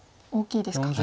大きいですか。